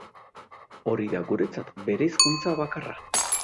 Ori da guretzat bereizkuntza bakarra.